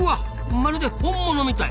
まるで本物みたい。